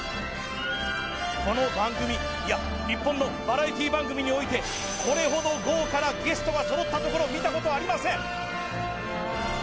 この番組いや日本のバラエティ番組においてこれほど豪華なゲストが揃ったところを見たことありません